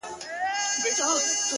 یو ډارونکی، ورانونکی شی خو هم نه دی،